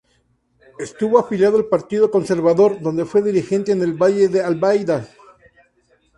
Estuvo afiliado al Partido Conservador, donde fue dirigente en el Valle de Albaida.